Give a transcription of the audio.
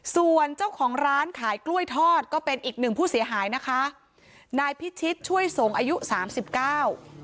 ส่วนเจ้าของร้านขายกล้วยทอดก็เป็นอีกหนึ่งผู้เสียหายนะคะนายพิชิตช่วยส่งอายุสามสิบเก้า